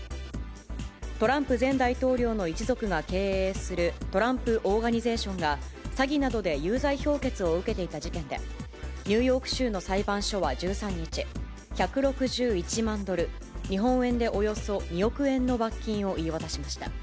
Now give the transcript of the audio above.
トランプ前大統領の一族が経営するトランプ・オーガニゼーションが、詐欺などで有罪評決を受けていた事件で、ニューヨーク州の裁判所は１３日、１６１万ドル、日本円でおよそ２億円の罰金を言い渡しました。